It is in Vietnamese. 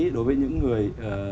đối với những người